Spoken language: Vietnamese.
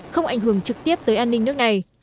không ảnh hưởng trực tiếp tới an ninh nước này